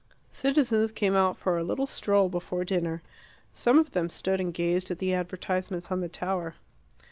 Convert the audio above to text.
Citizens came out for a little stroll before dinner. Some of them stood and gazed at the advertisements on the tower.